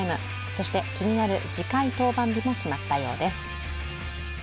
そして気になる次回登板日も決まったようです。